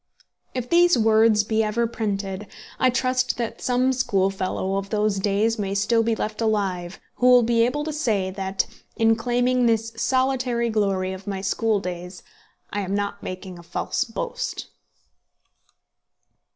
If these words be ever printed, I trust that some schoolfellow of those days may still be left alive who will be able to say that, in claiming this solitary glory of my school days, I am not making a false boast.